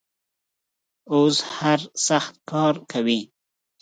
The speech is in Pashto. اوس هر سخت کار کوي.